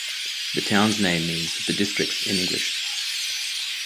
The town's name means "the districts" in English.